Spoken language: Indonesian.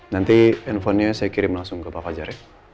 nanti handphonenya saya kirim langsung ke pak fajar ya